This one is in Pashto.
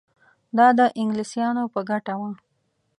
دا د انګلیسیانو په ګټه وه.